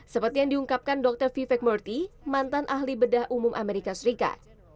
seperti yang diungkapkan dr vivak murthy mantan ahli bedah umum amerika serikat